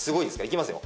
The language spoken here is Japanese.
いきますよ。